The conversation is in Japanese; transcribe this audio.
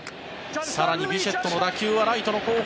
更にビシェットの打球はライトの後方。